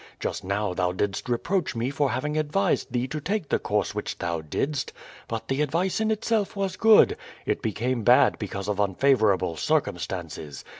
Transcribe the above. Just now thou didst reproach me for having advised thee to take the course which thou didst, but the advice in itself was good; it became bad because of unfavor able circumstances.